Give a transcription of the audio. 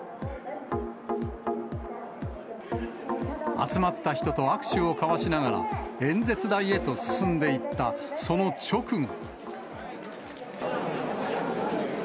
集まった人と握手を交わしながら、演説台へと進んでいったその直後。